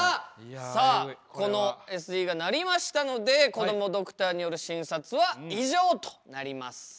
さあこのＳＥが鳴りましたのでこどもドクターによる診察は以上となります。